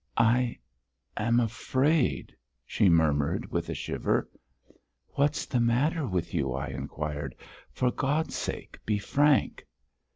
"I am afraid...." she murmured, with a shiver. "What's the matter with you?" I inquired. "For God's sake, be frank!"